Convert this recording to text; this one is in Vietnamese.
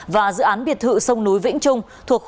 và dự án biệt thự sông núi vĩnh trung